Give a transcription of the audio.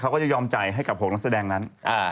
เขาก็จะยอมจ่ายให้กับ๖นักแสดงนั้น